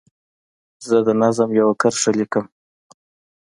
زه د نظم یوه کرښه لیکم.